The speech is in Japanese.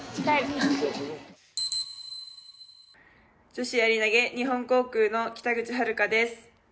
女子やり投、日本航空の北口榛花です。